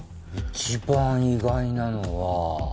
一番意外なのは。